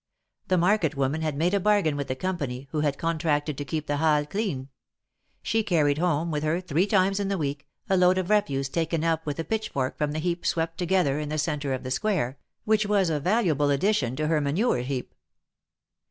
The market woman had made a bargain with the company, who had contracted to keep the Halles clean j she carried home with her three times in the week, a load of refuse taken up with a pitch fork from the heap swept together in the centre of the Square, which was a valuable addition to her manure heap.